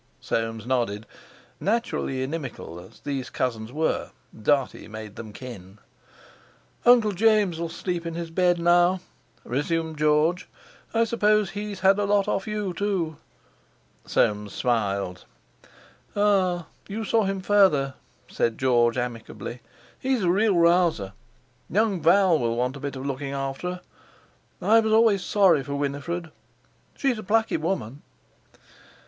Soames nodded. Naturally inimical as these cousins were, Dartie made them kin. "Uncle James'll sleep in his bed now," resumed George; "I suppose he's had a lot off you, too." Soames smiled. "Ah! You saw him further," said George amicably. "He's a real rouser. Young Val will want a bit of looking after. I was always sorry for Winifred. She's a plucky woman."